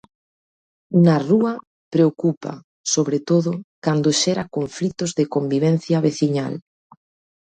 Na rúa preocupa, sobre todo, cando xera conflitos de convivencia veciñal.